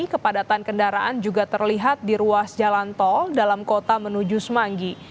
kepadatan kendaraan juga terlihat di ruas jalan tol dalam kota menuju semanggi